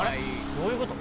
どういうこと？